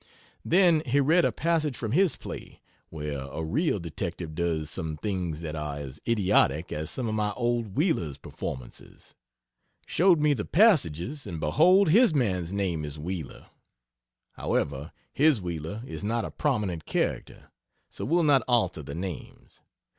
Then he read a passage from his play, where a real detective does some things that are as idiotic as some of my old Wheeler's performances. Showed me the passages, and behold, his man's name is Wheeler! However, his Wheeler is not a prominent character, so we'll not alter the names.